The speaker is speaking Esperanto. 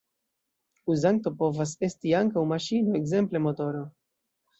Uzanto povas esti ankaŭ maŝino, ekzemple motoro.